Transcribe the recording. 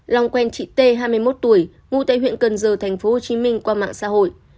long quen chị tê hai mươi một tuổi ngụ tại huyện cần giờ tp hcm qua mạng xã hội